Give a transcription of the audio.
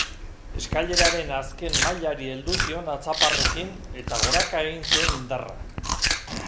Eskaileraren azken mailari heldu zion atzaparrekin eta goraka egin zuen indarra.